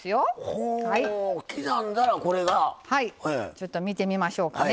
ちょっと見てみましょうかね。